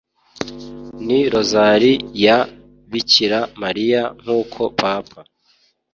ni rozari ya bikira mariya nk’uko papa